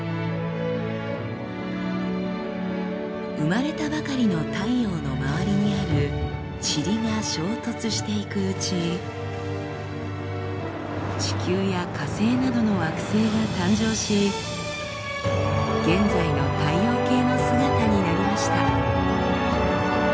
生まれたばかりの太陽の周りにある塵が衝突していくうち地球や火星などの惑星が誕生し現在の太陽系の姿になりました。